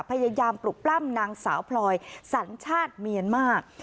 พยายามปลุกปล้ำนางสาวพลอยสัญชาติเมียนมาร์